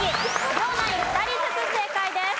両ナイン２人ずつ正解です。